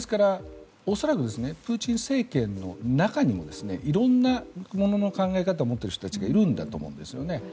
恐らくプーチン政権の中にはいろんな物の考え方を持っている人たちがいるんだと思うんですね。